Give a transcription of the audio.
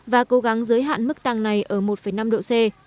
và cố gắng giới hạn mức tăng này ở một năm độ c